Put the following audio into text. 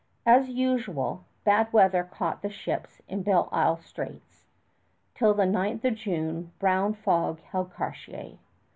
As usual, bad weather caught the ships in Belle Isle Straits. Till the 9th of June brown fog held Cartier.